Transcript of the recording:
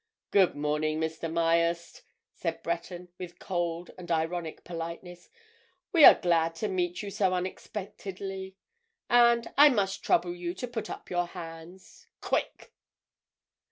"Good morning, Mr. Myerst," said Breton with cold and ironic politeness. "We are glad to meet you so unexpectedly. And—I must trouble you to put up your hands. Quick!"